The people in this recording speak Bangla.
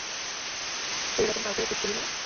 এরকম কাউকে খুঁজছিলি না?